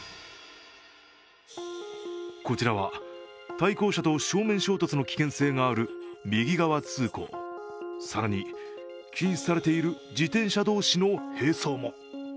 こちらは、対向車と正面衝突の危険性がある右側通行、更に禁止されている自転車同士の並走も。